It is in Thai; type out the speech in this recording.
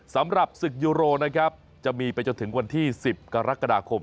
สำหรับศึกยูโรนะครับจะมีไปจนถึงวันที่๑๐กรกฎาคม